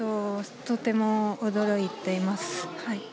とても驚いています。